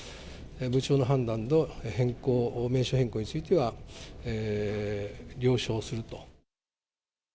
部長の判断の名称変更については了承すると。